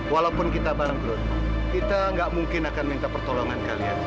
walaupun kita bareng dulu kita gak mungkin akan minta pertolongan kalian